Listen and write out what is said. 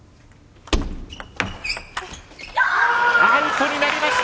アウトになりました。